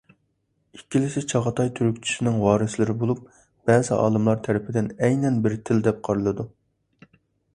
ئىككىلىسى چاغاتاي تۈركچىسىنىڭ ۋارىسلىرى بولۇپ، بەزى ئالىملار تەرىپىدىن ئەينەن بىر تىل دەپ قارىلىدۇ.